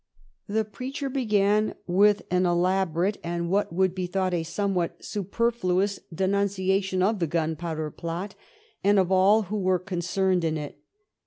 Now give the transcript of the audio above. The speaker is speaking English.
The preacher began with an elaborate, and what 286 I SACHEVBRELL would be thought a somewhat superfluous, denuncia tion of the Gunpowder Plot and of all who were con cerned in it.